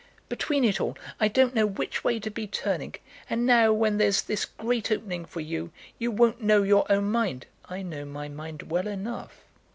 "Between it all, I don't know which way to be turning. And now, when there's this great opening for you, you won't know your own mind." "I know my mind well enough."